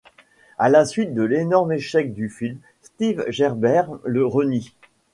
À la suite de l'énorme échec du film, Steve Gerber le renie.